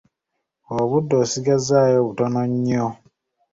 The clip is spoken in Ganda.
Obudde osigazzaayo butono nnyo.